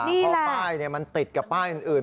นี่แหละเพราะป้ายนี้มันติดกับป้ายอื่น